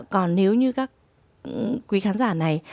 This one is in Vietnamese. còn nếu như các quý khán giả này